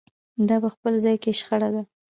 دا په خپل ځان کې شخړه ده.